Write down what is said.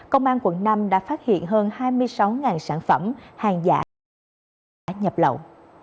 công an quận năm đã phát hiện hơn hai mươi sáu sản phẩm hàng giả nhập lậu